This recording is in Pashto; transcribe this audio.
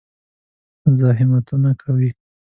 مزاحمتونه کوي.